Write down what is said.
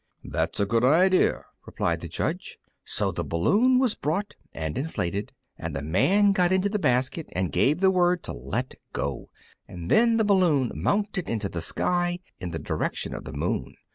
"That's a good idea," replied the judge. So the balloon was brought and inflated, and the Man got into the basket and gave the word to let go, and then the balloon mounted up into the sky in the direction of the moon.